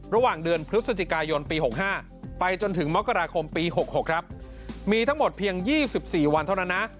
ระหว่างเดือนพฤศจิกายนปี๖๕ไปจนถึงมกราคมปี๖๖ครับมีทั้งหมดเพียง๒๔วันเท่านั้นนะ